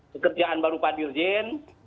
pekerjaan baru pak dirjen